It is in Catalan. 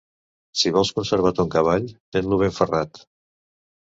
Si vols conservar ton cavall, ten-lo ben ferrat.